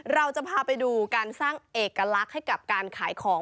เราจะพาไปดูการสร้างเอกลักษณ์ให้กับการขายของ